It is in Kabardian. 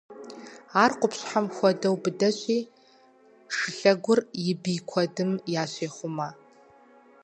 Ар къупщхьэм хуэдэу быдэщи, шылъэгур и бий куэдым ящехъумэ.